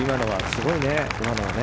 すごいね。